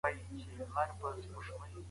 ايا راتلونکي بدلونونه بايد وشمېرل سي؟